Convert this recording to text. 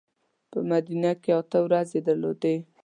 په مدینه کې اته ورځې درلودې.